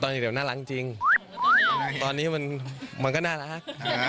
ตอนนี้เดี๋ยวน่ารักจริงตอนนี้มันมันก็น่ารัก